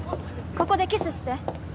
ここでキスして！